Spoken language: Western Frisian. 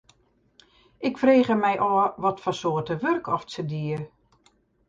Ik frege my ôf watfoar soarte wurk oft se die.